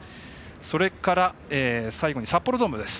それから、最後に札幌ドームです。